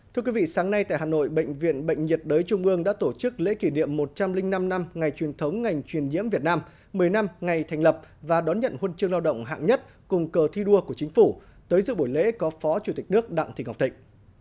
thưa quý vị sáng nay tại hà nội bệnh viện bệnh nhiệt đới trung ương đã tổ chức lễ kỷ niệm một trăm linh năm năm ngày truyền thống ngành truyền nhiễm việt nam một mươi năm ngày thành lập và đón nhận huân chương lao động hạng nhất cùng cờ thi đua của chính phủ tới dự buổi lễ có phó chủ tịch nước đặng thị ngọc thịnh